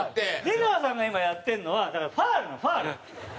出川さんが今やってるのはだからファウルのファウル。